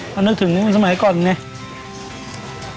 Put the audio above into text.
ก็นึกถึงตอนสมัยก่อนเนี่ย